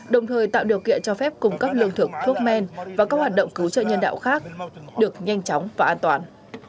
đồng thời tạo điều kiện cho phép cung cấp lương thực thuốc men và các hoạt động cứu trợ nhân đạo khác được nhanh chóng và an toàn